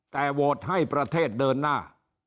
แต่โหวตให้ประเทศเดินหน้า